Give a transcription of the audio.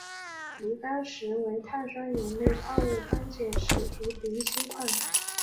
炉甘石为碳酸盐类矿物方解石族菱锌矿。